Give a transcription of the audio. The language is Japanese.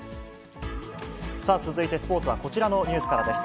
さあ続いてスポーツは、こちらのニュースからです。